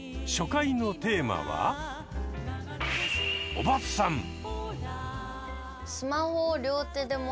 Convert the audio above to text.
初回のテーマは「おばさん」！